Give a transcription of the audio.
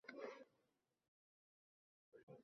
fuqarolarning o‘zini o‘zi boshqarish organlariga tegishli.